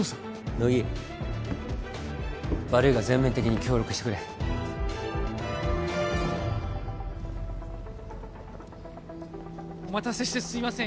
乃木悪いが全面的に協力してくれお待たせしてすいません